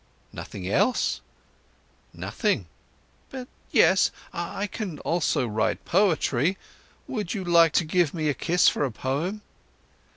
"Nothing else?" "Nothing. But yes, I can also write poetry. Would you like to give me a kiss for a poem?"